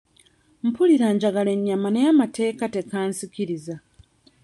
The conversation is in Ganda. Mpulira njagala ennyama naye amateeka teganzikiriza.